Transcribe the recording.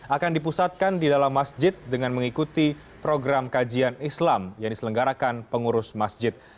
akan dipusatkan di dalam masjid dengan mengikuti program kajian islam yang diselenggarakan pengurus masjid